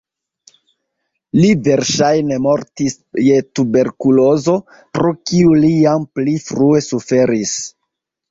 Li verŝajne mortis je tuberkulozo, pro kiu li jam pli frue suferis.